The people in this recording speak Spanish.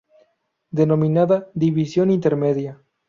Denominada "División Intermedia".